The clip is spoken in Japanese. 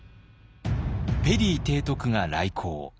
ペリー提督が来航。